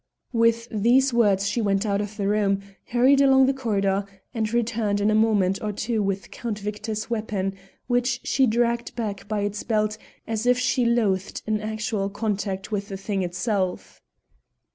With these words she went out of the room, hurried along the corridor, and returned in a moment or two with Count Victor's weapon, which she dragged back by its belt as if she loathed an actual contact with the thing itself.